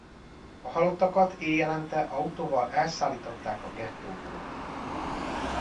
A halottakat éjjelente autóval elszállították a gettóból.